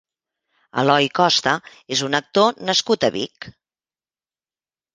Eloi Costa és un actor nascut a Vic.